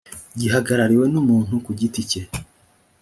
gihagarariwe n umuntu ku giti cye